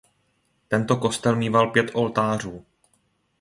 Tento kostel míval pět oltářů.